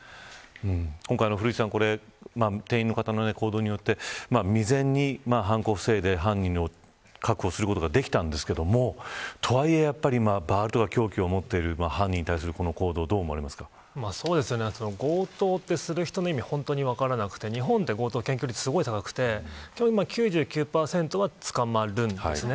今回、古市さん店員の方の行動によって未然に犯行を防いで犯人を確保することができたんですがとはいえ、バールとか凶器を持っている犯人に対するこの行動強盗ってする人の意味って本当に分からなくて日本は強盗の検挙率がすごい高くて基本９９％は捕まるんですね。